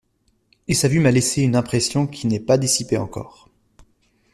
Et sa vue m'a laissé une impression qui n'est pas dissipée encore.